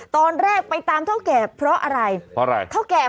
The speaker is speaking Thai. ตอนแรกไปตามเท่าแก่เพราะอะไร